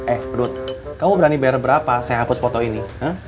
eh perut kamu berani bayar berapa saya hapus foto ini